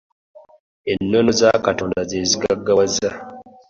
Ennono za Katonda ze zigaggawaza.